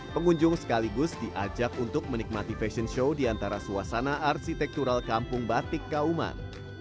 pengunjung sekaligus diajak untuk menikmati fashion show di antara suasana arsitektural kampung batik kauman